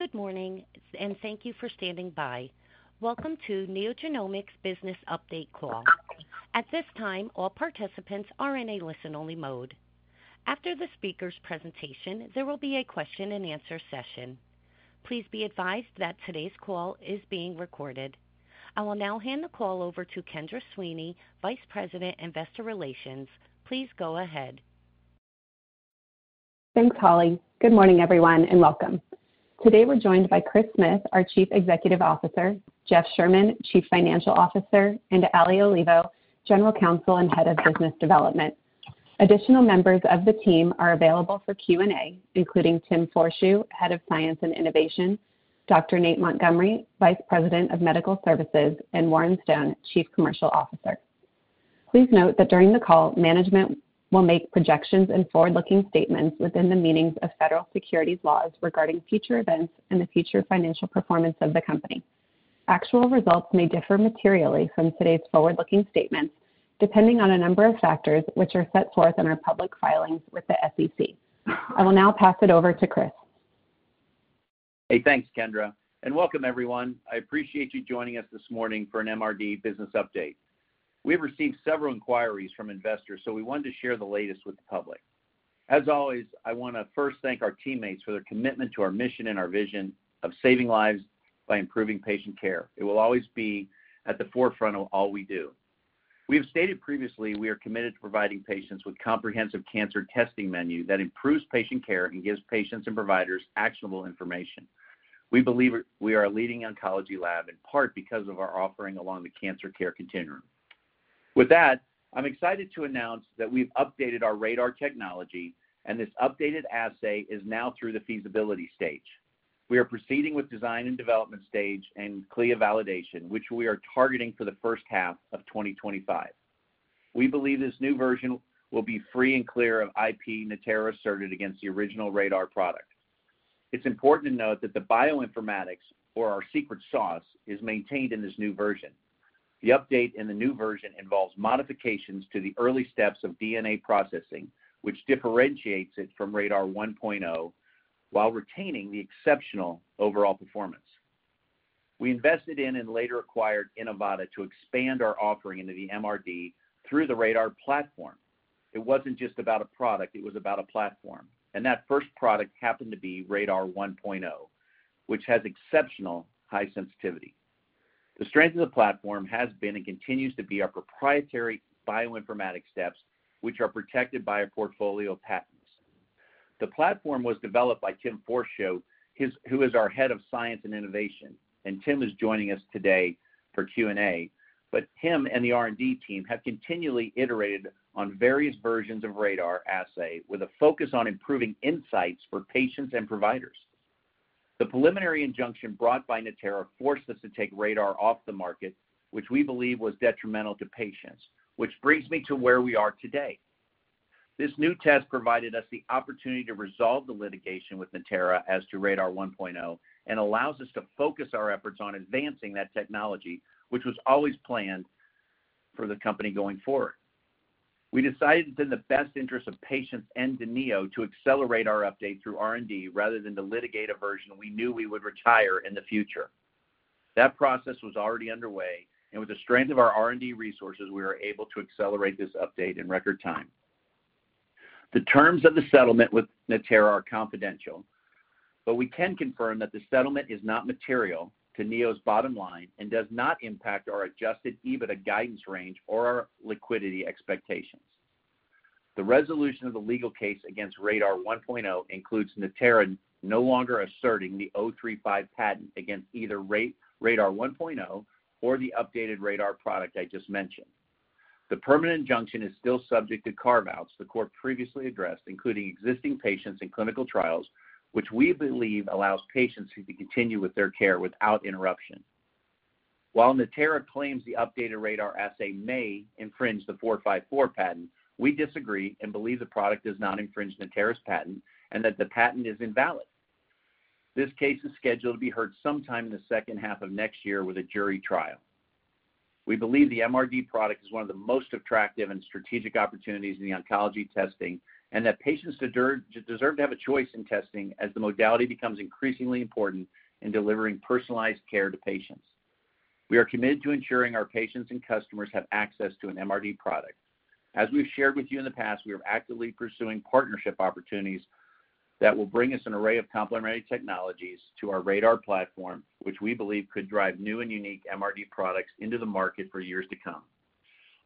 Good morning, and thank you for standing by. Welcome to NeoGenomics Business Update Call. At this time, all participants are in a listen-only mode. After the speaker's presentation, there will be a question-and-answer session. Please be advised that today's call is being recorded. I will now hand the call over to Kendra Sweeney, Vice President, Investor Relations. Please go ahead. Thanks, Holly. Good morning, everyone, and welcome. Today, we're joined by Chris Smith, our Chief Executive Officer, Jeff Sherman, Chief Financial Officer, and Ali Olivo, General Counsel and Head of Business Development. Additional members of the team are available for Q&A, including Tim Forshew, Head of Science and Innovation, Dr. Nate Montgomery, Vice President of Medical Services, and Warren Stone, Chief Commercial Officer. Please note that during the call, management will make projections and forward-looking statements within the meanings of federal securities laws regarding future events and the future financial performance of the company. Actual results may differ materially from today's forward-looking statements, depending on a number of factors which are set forth in our public filings with the SEC. I will now pass it over to Chris. Hey, thanks, Kendra, and welcome, everyone. I appreciate you joining us this morning for an MRD business update. We have received several inquiries from investors, so we wanted to share the latest with the public. As always, I want to first thank our teammates for their commitment to our mission and our vision of saving lives by improving patient care. It will always be at the forefront of all we do. We have stated previously, we are committed to providing patients with comprehensive cancer testing menu that improves patient care and gives patients and providers actionable information. We believe we are a leading oncology lab, in part because of our offering along the cancer care continuum. With that, I'm excited to announce that we've updated our RaDaR technology, and this updated assay is now through the feasibility stage. We are proceeding with design and development stage and CLIA validation, which we are targeting for the first half of twenty twenty-five. We believe this new version will be free and clear of IP Natera asserted against the original RaDaR product. It's important to note that the bioinformatics, or our secret sauce, is maintained in this new version. The update in the new version involves modifications to the early steps of DNA processing, which differentiates it from RaDaR 1.0, while retaining the exceptional overall performance. We invested in and later acquired Inivata to expand our offering into the MRD through the RaDaR platform. It wasn't just about a product, it was about a platform, and that first product happened to be RaDaR 1.0, which has exceptional high sensitivity. The strength of the platform has been and continues to be our proprietary bioinformatics steps, which are protected by a portfolio of patents. The platform was developed by Tim Forshew, who is our Head of Science and Innovation, and Tim is joining us today for Q&A. But Tim and the R&D team have continually iterated on various versions of RaDaR assay with a focus on improving insights for patients and providers. The preliminary injunction brought by Natera forced us to take RaDaR off the market, which we believe was detrimental to patients, which brings me to where we are today. This new test provided us the opportunity to resolve the litigation with Natera as to RaDaR 1.0, and allows us to focus our efforts on advancing that technology, which was always planned for the company going forward. We decided it's in the best interest of patients and to Neo to accelerate our update through R&D rather than to litigate a version we knew we would retire in the future. That process was already underway, and with the strength of our R&D resources, we were able to accelerate this update in record time. The terms of the settlement with Natera are confidential, but we can confirm that the settlement is not material to Neo's bottom line and does not impact our Adjusted EBITDA guidance range or our liquidity expectations. The resolution of the legal case against RaDaR 1.0 includes Natera no longer asserting the '035 patent against either RaDaR 1.0 or the updated RaDaR product I just mentioned. The permanent injunction is still subject to carve-outs the court previously addressed, including existing patients in clinical trials, which we believe allows patients to continue with their care without interruption. While Natera claims the updated RaDaR assay may infringe the '454 patent, we disagree and believe the product does not infringe Natera's patent and that the patent is invalid. This case is scheduled to be heard sometime in the second half of next year with a jury trial. We believe the MRD product is one of the most attractive and strategic opportunities in the oncology testing, and that patients deserve to have a choice in testing as the modality becomes increasingly important in delivering personalized care to patients. We are committed to ensuring our patients and customers have access to an MRD product. As we've shared with you in the past, we are actively pursuing partnership opportunities that will bring us an array of complementary technologies to our RaDaR platform, which we believe could drive new and unique MRD products into the market for years to come.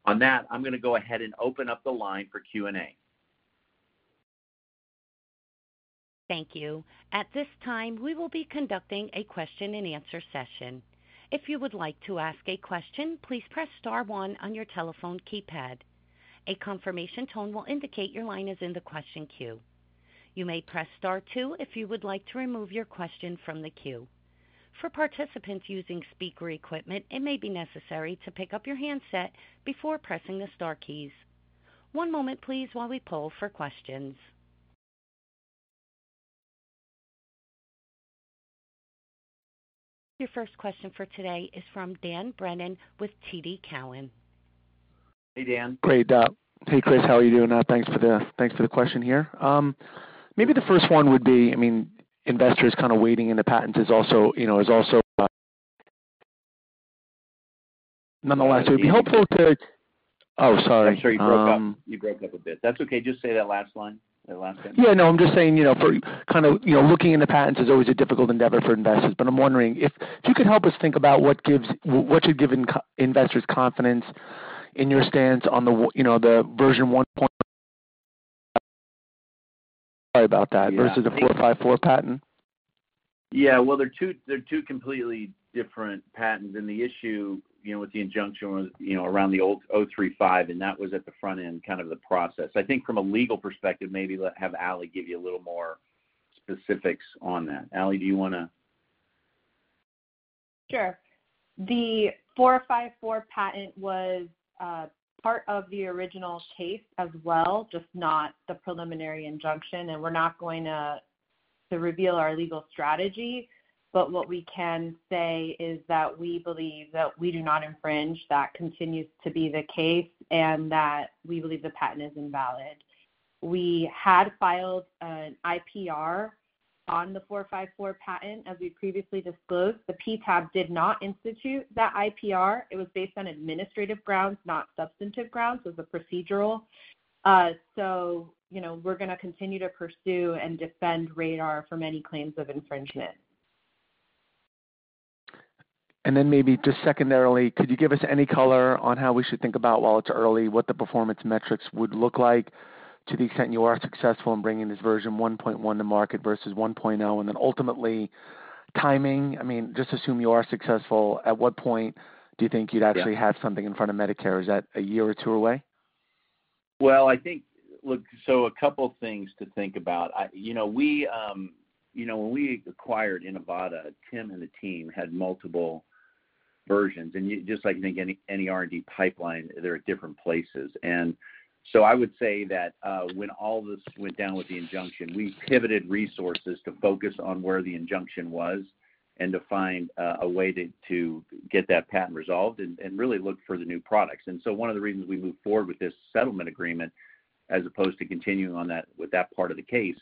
On that, I'm going to go ahead and open up the line for Q&A. Thank you. At this time, we will be conducting a question-and-answer session. If you would like to ask a question, please press star one on your telephone keypad. A confirmation tone will indicate your line is in the question queue. You may press Star two if you would like to remove your question from the queue. For participants using speaker equipment, it may be necessary to pick up your handset before pressing the star keys. One moment, please, while we poll for questions.... Your first question for today is from Dan Brennan with TD Cowen. Hey, Dan. Great. Hey, Chris, how are you doing? Thanks for the question here. Maybe the first one would be, I mean, investors kind of waiting in the patents is also, you know, is also. Nonetheless, it would be helpful to- Oh, sorry. I'm sorry. You broke up, you broke up a bit. That's okay. Just say that last line, that last line. Yeah, no, I'm just saying, you know, for kind of, you know, looking in the patents is always a difficult endeavor for investors. But I'm wondering if you could help us think about what gives our investors confidence in your stance on the, you know, the version 1.0. Sorry about that. Versus the '454 patent? Yeah, well, they're two, they're two completely different patents. And the issue, you know, with the injunction was, you know, around the old '035, and that was at the front end, kind of the process. I think from a legal perspective, maybe have Ali give you a little more specifics on that. Ali, do you want to? Sure. The '454 patent was part of the original case as well, just not the preliminary injunction, and we're not going to reveal our legal strategy. But what we can say is that we believe that we do not infringe. That continues to be the case and that we believe the patent is invalid. We had filed an IPR on the '454 patent, as we previously disclosed. The PTAB did not institute that IPR. It was based on administrative grounds, not substantive grounds. It was a procedural. So, you know, we're going to continue to pursue and defend RaDaR from any claims of infringement. And then maybe just secondarily, could you give us any color on how we should think about, while it's early, what the performance metrics would look like to the extent you are successful in bringing this version one point one to market versus one point zero, and then ultimately, timing? I mean, just assume you are successful. At what point do you think you'd actually have something in front of Medicare? Is that a year or two away? I think. Look, so a couple things to think about. I, you know, we, you know, when we acquired Inivata, Tim and the team had multiple versions. And you just like any, any R&D pipeline, they're at different places. And so I would say that, when all this went down with the injunction, we pivoted resources to focus on where the injunction was and to find a way to get that patent resolved and really look for the new products. And so one of the reasons we moved forward with this settlement agreement, as opposed to continuing on that, with that part of the case,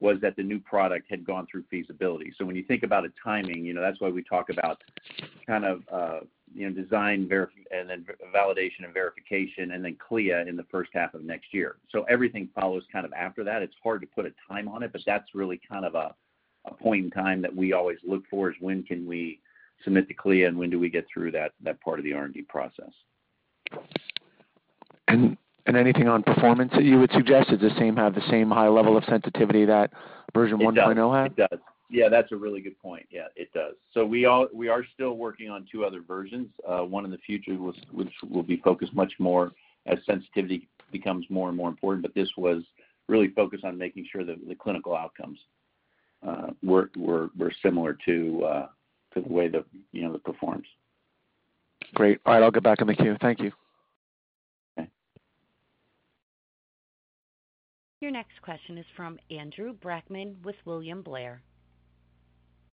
was that the new product had gone through feasibility. So when you think about a timing, you know, that's why we talk about kind of, you know, design, verification and then validation and verification and then CLIA in the first half of next year. So everything follows kind of after that. It's hard to put a time on it, but that's really kind of a point in time that we always look for, is when can we submit to CLIA and when do we get through that part of the R&D process. Anything on performance that you would suggest? Does the same have the same high level of sensitivity that version one point zero had? It does. It does. Yeah, that's a really good point. Yeah, it does. So we are still working on two other versions. One in the future, which will be focused much more as sensitivity becomes more and more important. But this was really focused on making sure that the clinical outcomes were similar to the way the, you know, it performs. Great. All right, I'll get back in the queue. Thank you. Okay. Your next question is from Andrew Brackman with William Blair.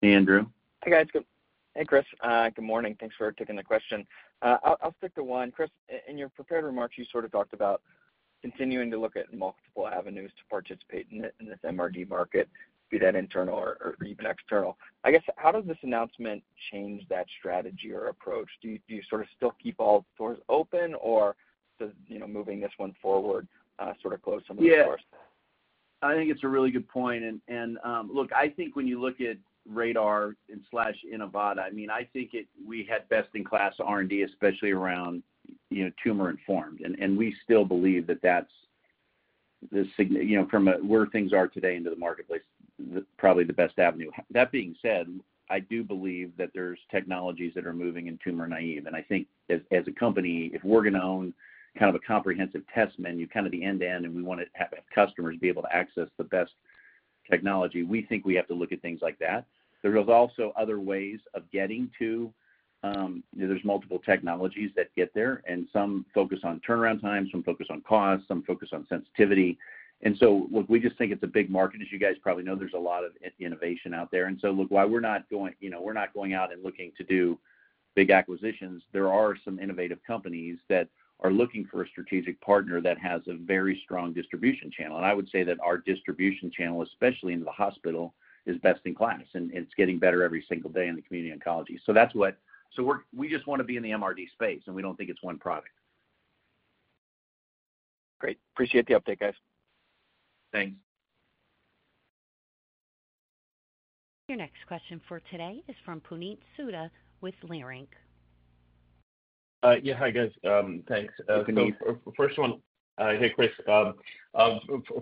Hey, Andrew. Hi, guys. Hey, Chris, good morning. Thanks for taking the question. I'll stick to one. Chris, in your prepared remarks, you sort of talked about continuing to look at multiple avenues to participate in the, in this MRD market, be that internal or, or even external. I guess, how does this announcement change that strategy or approach? Do you sort of still keep all doors open or just, you know, moving this one forward, sort of close some of the doors? Yeah. I think it's a really good point. And, look, I think when you look at RaDaR and slash Inivata, I mean, I think it... We had best-in-class R&D, especially around, you know, tumor-informed. And, we still believe that that's the, you know, from a where things are today into the marketplace, the probably the best avenue. That being said, I do believe that there's technologies that are moving in tumor-naive. And I think as, as a company, if we're going to own kind of a comprehensive test menu, kind of the end-to-end, and we want to have customers be able to access the best technology, we think we have to look at things like that. There is also other ways of getting to, you know, there's multiple technologies that get there, and some focus on turnaround times, some focus on cost, some focus on sensitivity. And so look, we just think it's a big market. As you guys probably know, there's a lot of innovation out there. And so look, while we're not going, you know, we're not going out and looking to do big acquisitions, there are some innovative companies that are looking for a strategic partner that has a very strong distribution channel. And I would say that our distribution channel, especially into the hospital, is best in class, and it's getting better every single day in the community oncology. So that's what. So we just want to be in the MRD space, and we don't think it's one product. Great. Appreciate the update, guys. Thanks. Your next question for today is from Puneet Souda with Leerink. Yeah. Hi, guys. Thanks. Hi, Puneet. So first one, hey, Chris.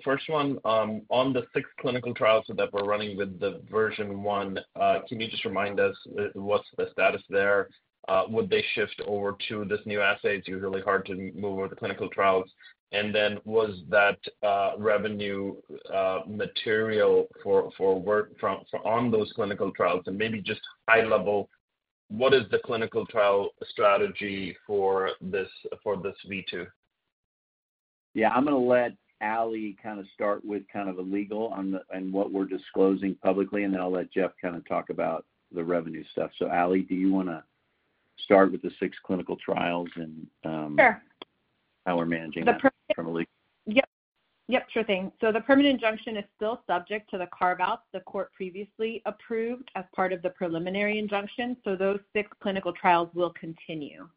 First one, on the six clinical trials that we're running with the version one, can you just remind us what's the status there? Would they shift over to this new assay? It's usually hard to move over the clinical trials. And then, was that revenue material for work on those clinical trials? And maybe just high level, what is the clinical trial strategy for this V2?... Yeah, I'm gonna let Ali kind of start with kind of the legal on the, and what we're disclosing publicly, and then I'll let Jeff kind of talk about the revenue stuff. So, Ali, do you wanna start with the six clinical trials and, Sure. How we're managing that from a legal? Yep. Yep, sure thing. So the permanent injunction is still subject to the carve-out the court previously approved as part of the preliminary injunction, so those six clinical trials will continue.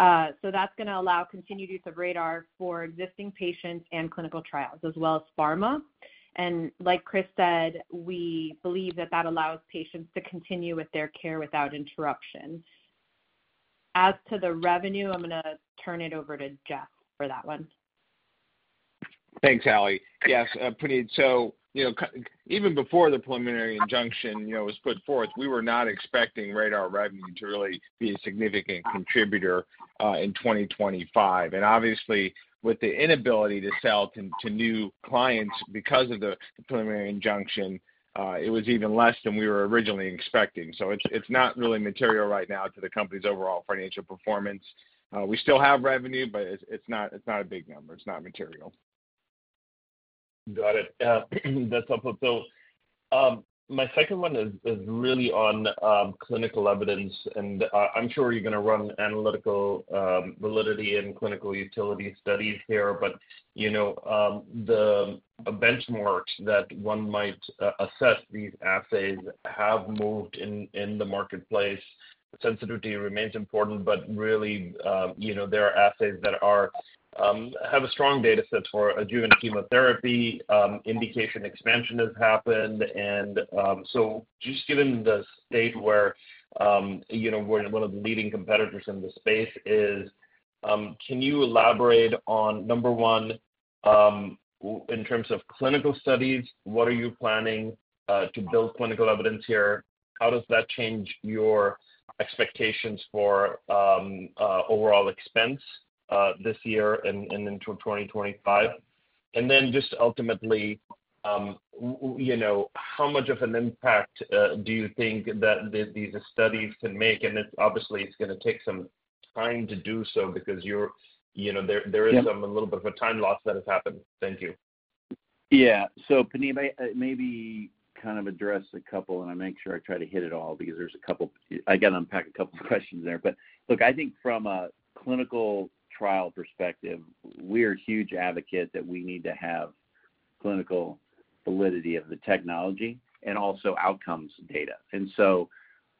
So that's gonna allow continued use of RaDaR for existing patients and clinical trials, as well as pharma. And like Chris said, we believe that that allows patients to continue with their care without interruption. As to the revenue, I'm gonna turn it over to Jeff for that one. Thanks, Ali. Yes, Puneet, so, you know, even before the preliminary injunction, you know, was put forth, we were not expecting RaDaR revenue to really be a significant contributor, in twenty twenty-five. And obviously, with the inability to sell to new clients because of the preliminary injunction, it was even less than we were originally expecting. So it's not really material right now to the company's overall financial performance. We still have revenue, but it's not a big number. It's not material. Got it. That's helpful. So, my second one is really on clinical evidence, and I'm sure you're gonna run analytical validity and clinical utility studies here. But, you know, the benchmark that one might assess these assays have moved in the marketplace. Sensitivity remains important, but really, you know, there are assays that have a strong data set for adjuvant chemotherapy, indication expansion has happened. And, so just given the state where, you know, where one of the leading competitors in this space is, can you elaborate on, number one, in terms of clinical studies, what are you planning to build clinical evidence here? How does that change your expectations for overall expense this year and into twenty twenty-five? And then just ultimately, you know, how much of an impact do you think that these studies can make? And it's obviously, it's gonna take some time to do so because you're, you know, there is- Yeah... some, a little bit of a time loss that has happened. Thank you. Yeah. So Puneet, maybe kind of address a couple, and I make sure I try to hit it all because there's a couple... I gotta unpack a couple questions there. But look, I think from a clinical trial perspective, we're huge advocates that we need to have clinical validity of the technology and also outcomes data. And so,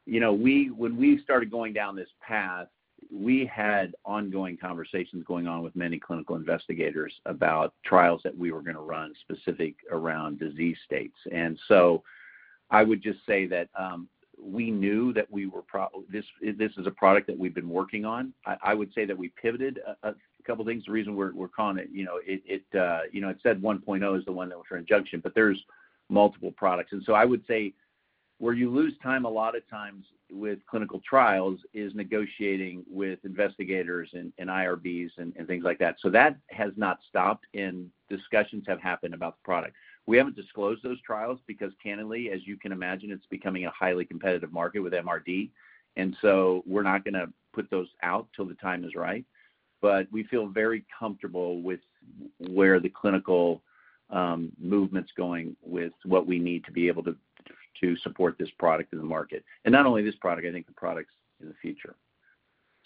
you know, we, when we started going down this path, we had ongoing conversations going on with many clinical investigators about trials that we were gonna run specific around disease states. And so I would just say that, we knew that we were this, this is a product that we've been working on. I would say that we pivoted a couple of things. The reason we're calling it, you know, it said one point zero is the one that was for injunction, but there's multiple products, and so I would say, where you lose time a lot of times with clinical trials is negotiating with investigators and IRBs and things like that, so that has not stopped, and discussions have happened about the product. We haven't disclosed those trials because, candidly, as you can imagine, it's becoming a highly competitive market with MRD, and so we're not gonna put those out till the time is right, but we feel very comfortable with where the clinical movement's going with what we need to be able to support this product in the market, and not only this product, I think the products in the future.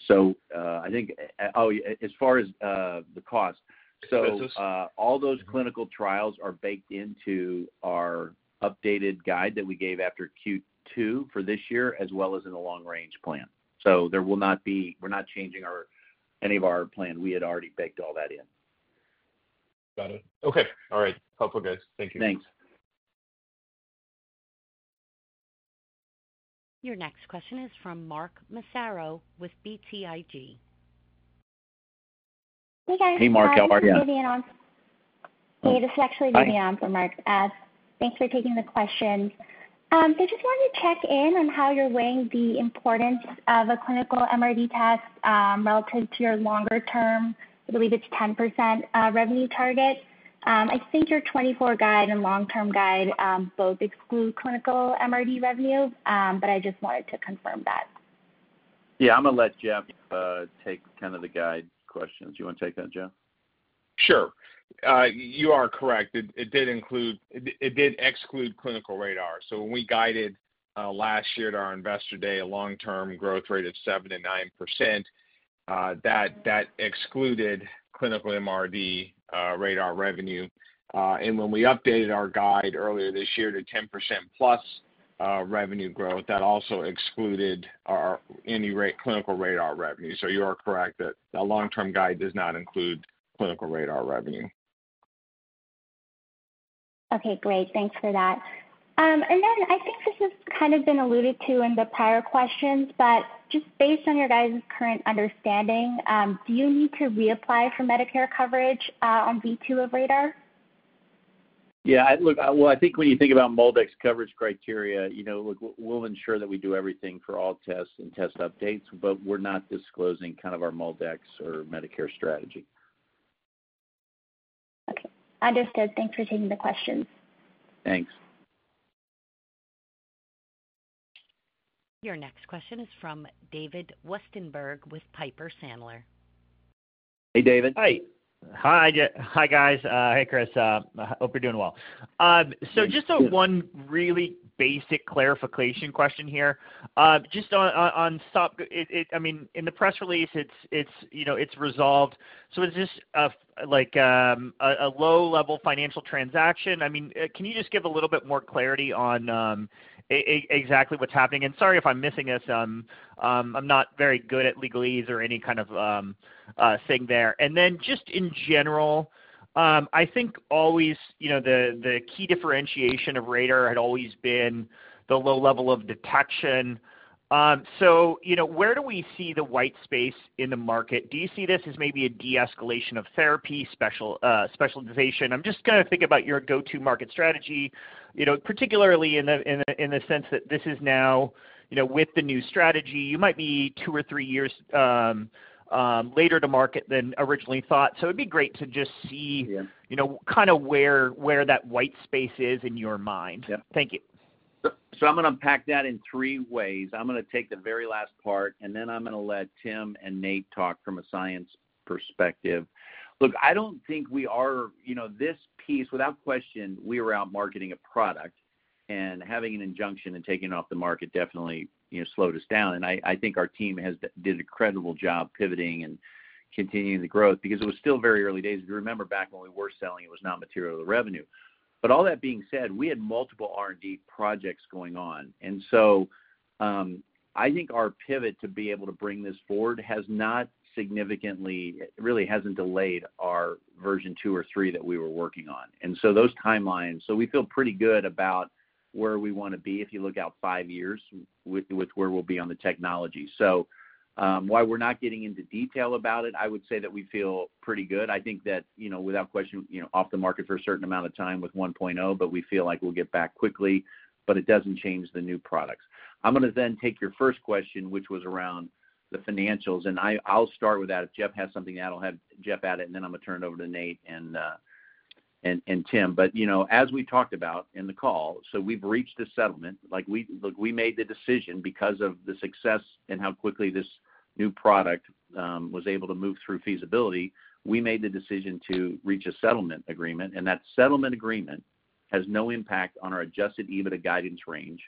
So, I think, oh, as far as, the cost- Costs. All those clinical trials are baked into our updated guide that we gave after Q2 for this year, as well as in the long range plan. There will not be. We're not changing our plan. We had already baked all that in. Got it. Okay. All right. Helpful, guys. Thank you. Thanks. Your next question is from Mark Massaro with BTIG. Hey, guys. Hey, Mark, how are you? Hey, this is actually Vivian on for Mark. Thanks for taking the question. So just wanted to check in on how you're weighing the importance of a clinical MRD test, relative to your longer term, I believe it's 10%, revenue target. I think your 2024 guide and long-term guide, both exclude clinical MRD revenue, but I just wanted to confirm that. Yeah, I'm gonna let Jeff take kind of the guide questions. You want to take that, Jeff? Sure. You are correct. It did exclude clinical RaDaR. So when we guided last year at our Investor Day, a long-term growth rate of 7%-9%, that excluded clinical MRD RaDaR revenue. And when we updated our guide earlier this year to 10% plus revenue growth, that also excluded any clinical RaDaR revenue. So you are correct that the long-term guide does not include clinical RaDaR revenue. Okay, great. Thanks for that. And then I think this has kind of been alluded to in the prior questions, but just based on your guys' current understanding, do you need to reapply for Medicare coverage on V2 of RaDaR? Yeah, look, well, I think when you think about MolDX coverage criteria, you know, look, we'll ensure that we do everything for all tests and test updates, but we're not disclosing kind of our MolDX or Medicare strategy. Okay, understood. Thanks for taking the questions. Thanks.... Your next question is from David Westenberg with Piper Sandler. Hey, David. Hi, guys. Hey, Chris. Hope you're doing well. So just one really basic clarification question here. Just on stopping it. I mean, in the press release, it's, you know, it's resolved. So is this like a low-level financial transaction? I mean, can you just give a little bit more clarity on exactly what's happening? And sorry if I'm missing this. I'm not very good at legalese or any kind of thing there. And then just in general, I think always, you know, the key differentiation of RaDaR had always been the low level of detection. So, you know, where do we see the white space in the market? Do you see this as maybe a de-escalation of therapy, specialization? I'm just kind of thinking about your go-to market strategy, you know, particularly in a sense that this is now, you know, with the new strategy, you might be two or three years later to market than originally thought. So it'd be great to just see- Yeah... you know, kind of where that white space is in your mind. Yeah. Thank you. So, I'm gonna unpack that in three ways. I'm gonna take the very last part, and then I'm gonna let Tim and Nate talk from a science perspective. Look, I don't think we are... You know, this piece, without question, we were out marketing a product, and having an injunction and taking it off the market definitely, you know, slowed us down. And I think our team did a incredible job pivoting and continuing the growth because it was still very early days. If you remember back when we were selling, it was not material to the revenue. But all that being said, we had multiple R&D projects going on. And so, I think our pivot to be able to bring this forward has not significantly, really hasn't delayed our version two or three that we were working on. And so those timelines, so we feel pretty good about where we wanna be, if you look out five years, with where we'll be on the technology. So, while we're not getting into detail about it, I would say that we feel pretty good. I think that, you know, without question, you know, off the market for a certain amount of time with 1.0, but we feel like we'll get back quickly, but it doesn't change the new products. I'm gonna then take your first question, which was around the financials, and I, I'll start with that. If Jeff has something, I'll have Jeff add it, and then I'm gonna turn it over to Nate and Tim. But, you know, as we talked about in the call, so we've reached a settlement. Like, Look, we made the decision because of the success and how quickly this new product was able to move through feasibility, we made the decision to reach a settlement agreement, and that settlement agreement has no impact on our adjusted EBITDA guidance range,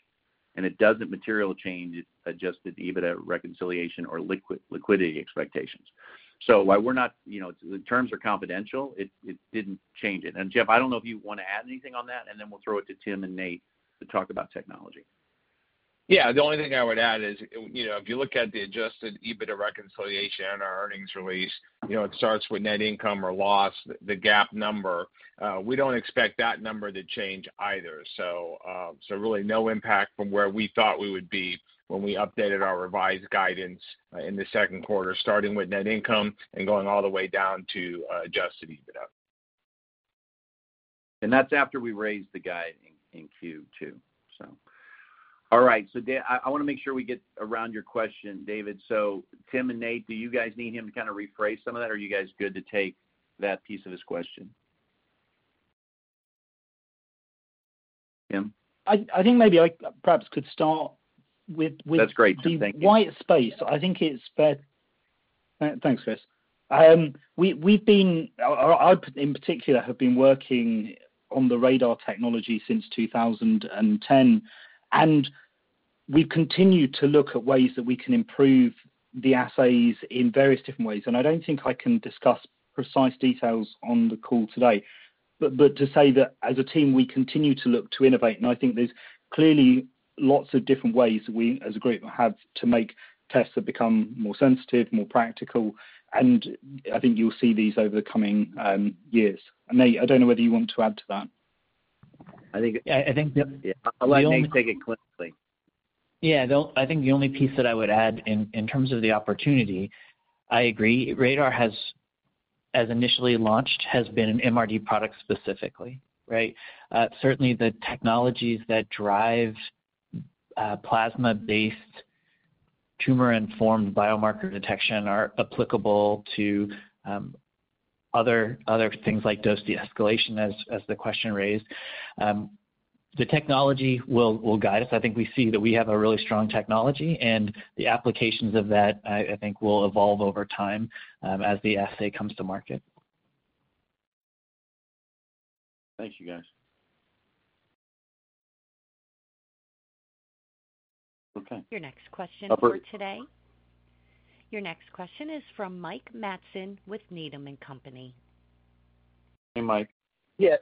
and it doesn't materially change adjusted EBITDA reconciliation or liquidity expectations. So while we're not... You know, the terms are confidential, it, it didn't change it. And, Jeff, I don't know if you wanna add anything on that, and then we'll throw it to Tim and Nate to talk about technology. Yeah, the only thing I would add is, you know, if you look at the adjusted EBITDA reconciliation in our earnings release, you know, it starts with net income or loss, the GAAP number. We don't expect that number to change either. So really no impact from where we thought we would be when we updated our revised guidance in the second quarter, starting with net income and going all the way down to Adjusted EBITDA. And that's after we raised the guide in Q2, so. All right. I wanna make sure we get around to your question, David. So Tim and Nate, do you guys need him to kind of rephrase some of that, or are you guys good to take that piece of his question? Tim? I think maybe I perhaps could start with... That's great, Tim. Thank you. the white space. I think it's fair. Thanks, Chris. We’ve been, I in particular, working on the RaDaR technology since 2010, and we've continued to look at ways that we can improve the assays in various different ways, and I don't think I can discuss precise details on the call today. But to say that as a team, we continue to look to innovate, and I think there's clearly lots of different ways that we, as a group, have to make tests that become more sensitive, more practical, and I think you'll see these over the coming years. And Nate, I don't know whether you want to add to that. I think- I think the only- I'll let Nate say it clinically. Yeah. The only... I think the only piece that I would add in, in terms of the opportunity, I agree. RaDaR has, as initially launched, has been an MRD product specifically, right? Certainly, the technologies that drive plasma-based tumor-informed biomarker detection are applicable to other things like dose de-escalation, as the question raised. The technology will guide us. I think we see that we have a really strong technology, and the applications of that, I think, will evolve over time, as the assay comes to market. Thank you, guys. Okay. Your next question for today. Up- Your next question is from Mike Matson with Needham & Company. Hey, Mike. Yeah.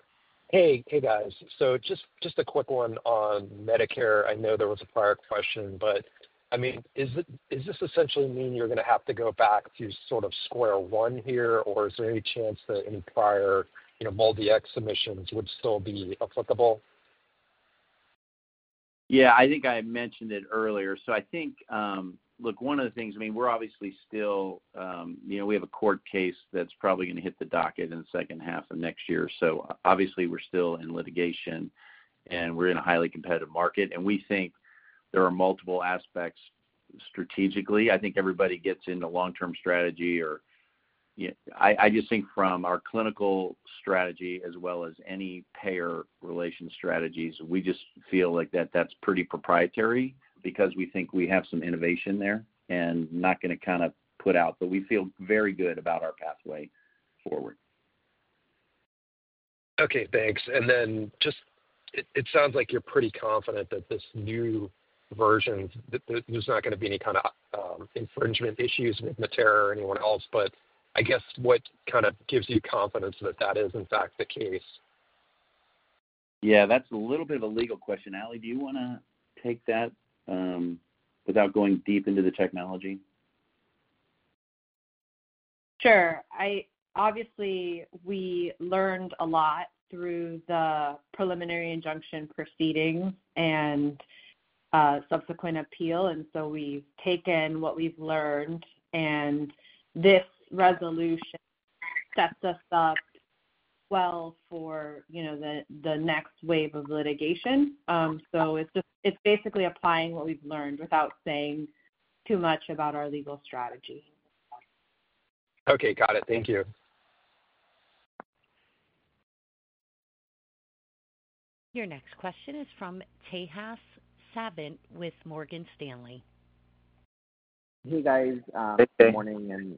Hey, hey, guys. So just, just a quick one on Medicare. I know there was a prior question, but, I mean, is it- does this essentially mean you're gonna have to go back to sort of square one here, or is there any chance that any prior, you know, MolDX submissions would still be applicable? Yeah, I think I mentioned it earlier. So I think, Look, one of the things, I mean, we're obviously still, you know, we have a court case that's probably gonna hit the docket in the second half of next year. So obviously, we're still in litigation, and we're in a highly competitive market, and we think there are multiple aspects strategically. I think everybody gets into long-term strategy or I just think from our clinical strategy as well as any payer relation strategies, we just feel like that's pretty proprietary because we think we have some innovation there and not gonna kind of put out. But we feel very good about our pathway forward. Okay, thanks. And then just, it sounds like you're pretty confident that this new version, that there's not gonna be any kinda infringement issues with Natera or anyone else, but I guess what kind of gives you confidence that that is, in fact, the case? Yeah, that's a little bit of a legal question. Ali, do you wanna take that, without going deep into the technology? Sure. Obviously, we learned a lot through the preliminary injunction proceedings and subsequent appeal, and so we've taken what we've learned, and this resolution sets us up well for, you know, the next wave of litigation. So it's just basically applying what we've learned without saying too much about our legal strategy. Okay, got it. Thank you. Your next question is from Tejas Savant with Morgan Stanley. Hey, guys. Hey, Tejas. Good morning,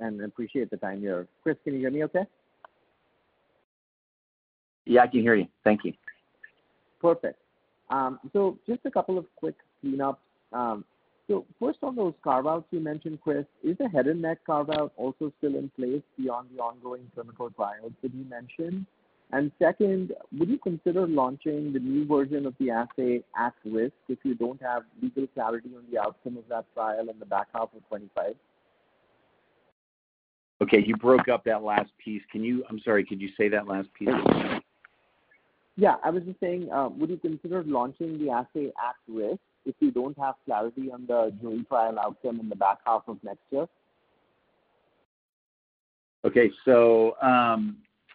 and appreciate the time here. Chris, can you hear me okay? Yeah, I can hear you. Thank you. Perfect. So just a couple of quick cleanups. So first on those carve-outs you mentioned, Chris, is the head and neck carve-out also still in place beyond the ongoing clinical trial that you mentioned? And second, would you consider launching the new version of the assay at risk if you don't have legal clarity on the outcome of that trial in the back half of 2025? Okay, you broke up that last piece. Can you... I'm sorry, could you say that last piece again? Yeah, I was just saying, would you consider launching the assay at risk if you don't have clarity on the jury trial outcome in the back half of next year? Okay, so,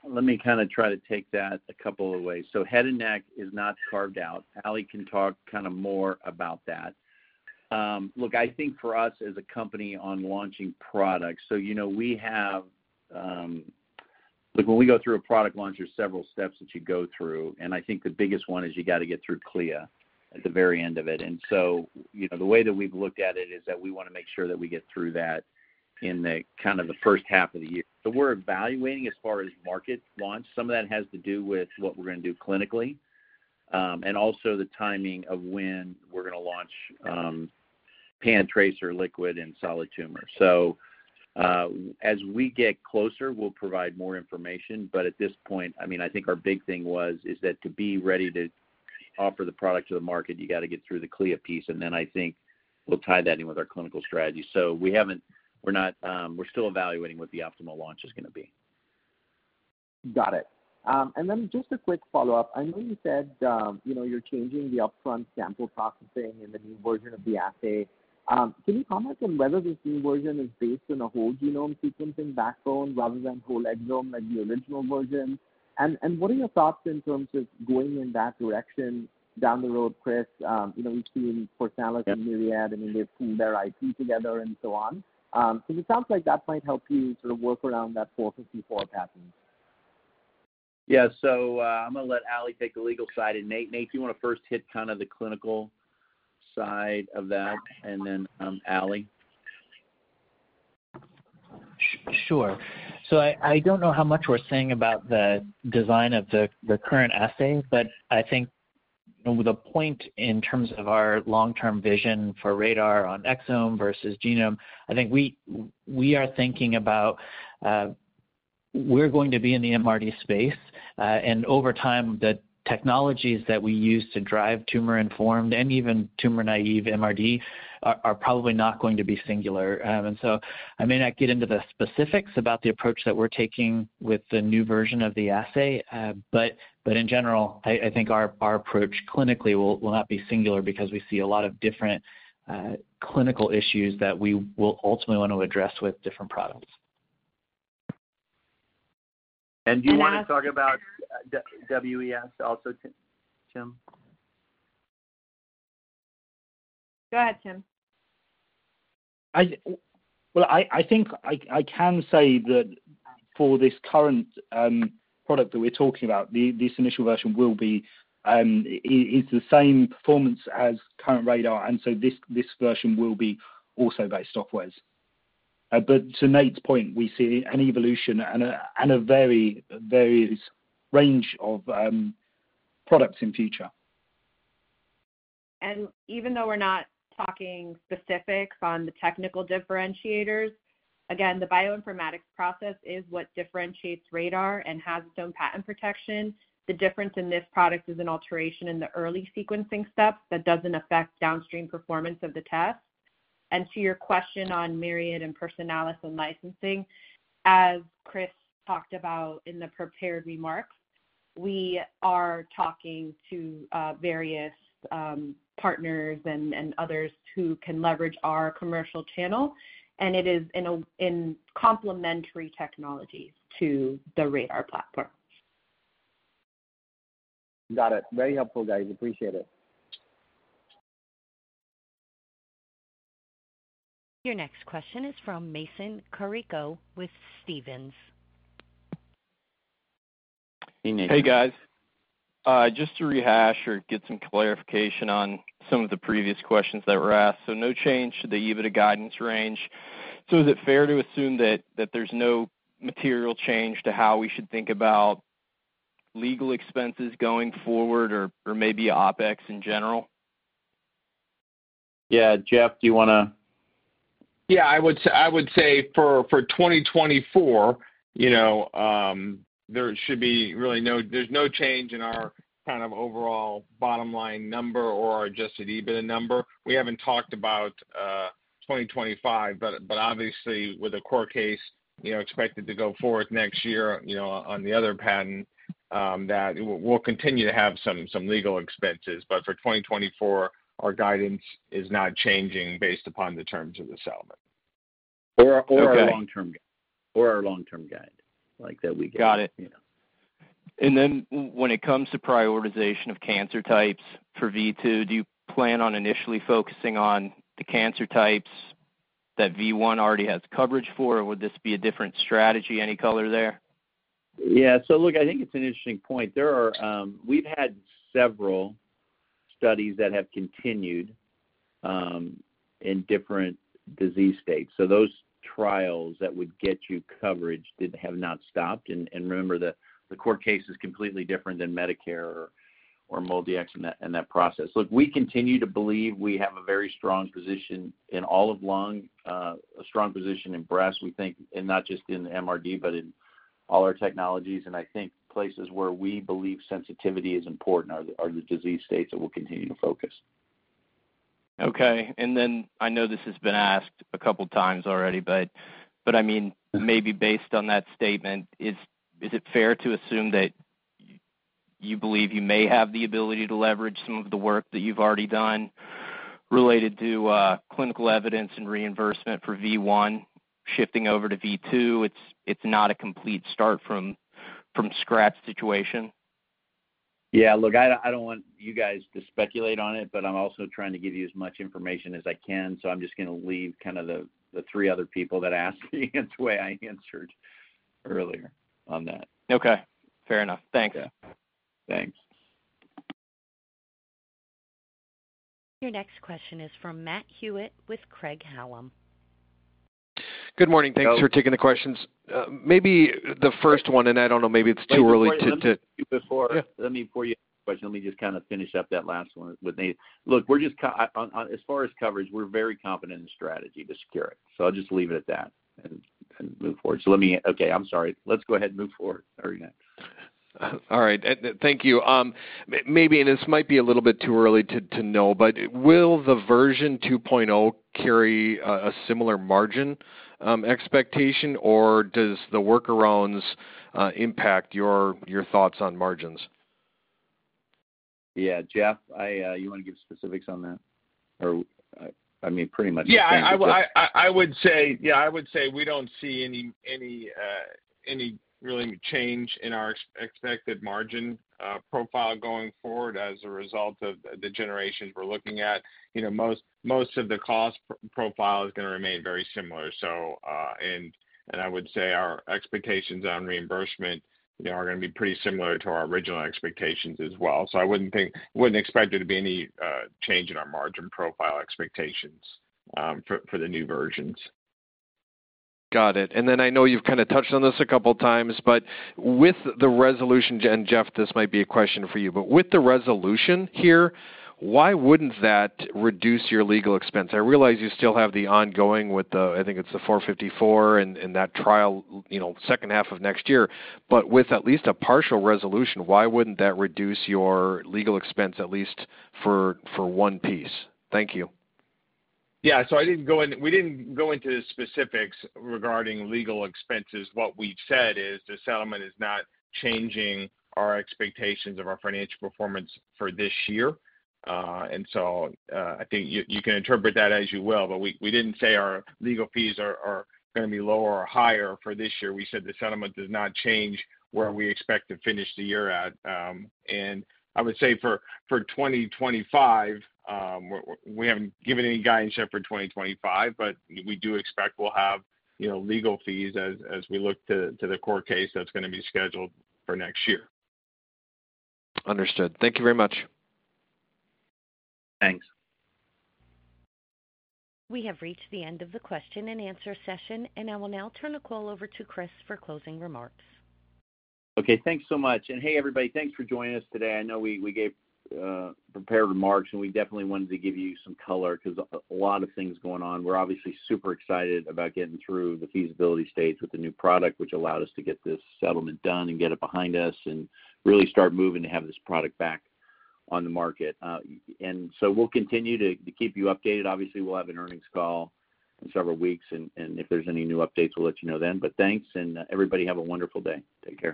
let me kinda try to take that a couple of ways. So head and neck is not carved out. Ali can talk kinda more about that. Look, I think for us as a company on launching products, so, you know, we have. Look, when we go through a product launch, there's several steps that you go through, and I think the biggest one is you gotta get through CLIA at the very end of it. And so, you know, the way that we've looked at it is that we wanna make sure that we get through that in the kind of the first half of the year. So we're evaluating as far as market launch. Some of that has to do with what we're gonna do clinically, and also the timing of when we're gonna launch, PanTracer liquid and solid tumor. So, as we get closer, we'll provide more information, but at this point, I mean, I think our big thing was, is that to be ready to offer the product to the market, you gotta get through the CLIA piece, and then I think we'll tie that in with our clinical strategy. So we're not, we're still evaluating what the optimal launch is gonna be. Got it. And then just a quick follow-up. I know you said, you know, you're changing the upfront sample processing in the new version of the assay. Can you comment on whether this new version is based on a whole genome sequencing backbone rather than whole exome, like the original version? And, and what are your thoughts in terms of going in that direction down the road, Chris? You know, we've seen Personalis and Myriad, and they've pooled their IP together and so on. So it sounds like that might help you sort of work around that four fifty-four patent. Yeah. So, I'm gonna let Ali take the legal side. And, Nate, Nate, do you wanna first hit kinda the clinical side of that, and then, Ali? Sure. So I don't know how much we're saying about the design of the current assay, but I think the point in terms of our long-term vision for RaDaR on exome versus genome. I think we are thinking about, we're going to be in the MRD space, and over time, the technologies that we use to drive tumor-informed and even tumor-naive MRD are probably not going to be singular. And so I may not get into the specifics about the approach that we're taking with the new version of the assay, but in general, I think our approach clinically will not be singular because we see a lot of different clinical issues that we will ultimately want to address with different products. And do you want to talk about WES also, Tim? Go ahead, Tim. Well, I think I can say that for this current product that we're talking about, this initial version will be, it's the same performance as current RaDaR, and so this version will be also based off WES. But to Nate's point, we see an evolution and a very various range of products in future. Even though we're not talking specifics on the technical differentiators, again, the bioinformatics process is what differentiates RaDaR and has its own patent protection. The difference in this product is an alteration in the early sequencing steps that doesn't affect downstream performance of the test. To your question on Myriad and Personalis and licensing, as Chris talked about in the prepared remarks, we are talking to various partners and others who can leverage our commercial channel, and it is in complementary technologies to the RaDaR platform.... Got it. Very helpful, guys. Appreciate it. Your next question is from Mason Carrico with Stephens. Hey, guys. Just to rehash or get some clarification on some of the previous questions that were asked. So no change to the EBITDA guidance range. So is it fair to assume that there's no material change to how we should think about legal expenses going forward or maybe OpEx in general? Yeah, Jeff, do you wanna? Yeah, I would say for twenty twenty-four, you know, there should be really no change in our kind of overall bottom line number or our Adjusted EBITDA number. We haven't talked about twenty twenty-five, but obviously, with the court case, you know, expected to go forward next year, you know, on the other patent, that we'll continue to have some legal expenses. But for twenty twenty-four, our guidance is not changing based upon the terms of the settlement. Okay. Or our long-term guide, like that we gave. Got it. Yeah. And then when it comes to prioritization of cancer types for V2, do you plan on initially focusing on the cancer types that V1 already has coverage for, or would this be a different strategy? Any color there? Yeah. So look, I think it's an interesting point. There are... We've had several studies that have continued in different disease states. So those trials that would get you coverage did have not stopped. And remember that the court case is completely different than Medicare or MolDX in that process. Look, we continue to believe we have a very strong position in all of lung, a strong position in breast, we think, and not just in MRD, but in all our technologies. And I think places where we believe sensitivity is important are the disease states that we'll continue to focus. Okay. And then I know this has been asked a couple times already, but I mean, maybe based on that statement, is it fair to assume that you believe you may have the ability to leverage some of the work that you've already done related to clinical evidence and reimbursement for V1 shifting over to V2? It's not a complete start from scratch situation. Yeah, look, I don't, I don't want you guys to speculate on it, but I'm also trying to give you as much information as I can, so I'm just gonna leave kind of the three other people that asked me the way I answered earlier on that. Okay, fair enough. Thanks. Yeah. Thanks. Your next question is from Matt Hewitt with Craig-Hallum. Good morning. Hello. Thanks for taking the questions. Maybe the first one, and I don't know, maybe it's too early to, Before... Yeah. Let me, before you question, let me just kind of finish up that last one with Nate. Look, we're just on as far as coverage. We're very confident in the strategy to secure it, so I'll just leave it at that and move forward. Okay, I'm sorry. Let's go ahead and move forward. Sorry, next. All right. Thank you. Maybe, and this might be a little bit too early to know, but will the version two point O carry a similar margin expectation, or does the workarounds impact your thoughts on margins? Yeah, Jeff, I, you want to give specifics on that? Or, I, I mean, pretty much- Yeah, I would say we don't see any real change in our expected margin profile going forward as a result of the generation we're looking at. You know, most of the cost profile is gonna remain very similar. So, and I would say our expectations on reimbursement, you know, are gonna be pretty similar to our original expectations as well. So I wouldn't think, wouldn't expect there to be any change in our margin profile expectations for the new versions. Got it. And then I know you've kind of touched on this a couple of times, but with the resolution, and Jeff, this might be a question for you, but with the resolution here, why wouldn't that reduce your legal expense? I realize you still have the ongoing with the, I think it's the '454 and that trial, you know, second half of next year. But with at least a partial resolution, why wouldn't that reduce your legal expense, at least for one piece? Thank you. Yeah, so I didn't go into specifics regarding legal expenses. We didn't go into specifics regarding legal expenses. What we've said is the settlement is not changing our expectations of our financial performance for this year. And so, I think you can interpret that as you will, but we didn't say our legal fees are gonna be lower or higher for this year. We said the settlement does not change where we expect to finish the year at. And I would say for twenty twenty-five, we haven't given any guidance yet for twenty twenty-five, but we do expect we'll have, you know, legal fees as we look to the court case that's gonna be scheduled for next year. Understood. Thank you very much. Thanks. We have reached the end of the question and answer session, and I will now turn the call over to Chris for closing remarks. Okay, thanks so much. Hey, everybody, thanks for joining us today. I know we gave prepared remarks, and we definitely wanted to give you some color because a lot of things going on. We're obviously super excited about getting through the feasibility stage with the new product, which allowed us to get this settlement done and get it behind us and really start moving to have this product back on the market. And so we'll continue to keep you updated. Obviously, we'll have an earnings call in several weeks, and if there's any new updates, we'll let you know then. But thanks, everybody, have a wonderful day. Take care.